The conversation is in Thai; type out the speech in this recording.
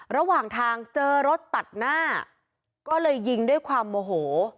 ระหว่างทางเจอรถตัดหน้าก็เลยยิงด้วยความโมโห